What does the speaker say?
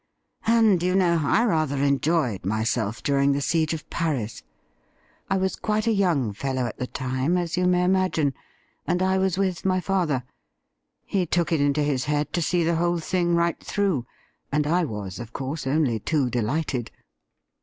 And, do you know, I rather enjoyed myself dvu ing the siege of Paris. I was quite a young fellow at the time, as you may imagine, and I was with my father. He took it into his head to see the whole thing right through, and I was, of course, only too delighted.